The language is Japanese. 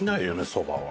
そばは。